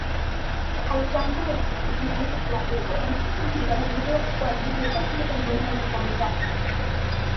Haishangazi jiji lake la Ifrane kuchaguliwa kuwa jiji la pili duniani kwa usafi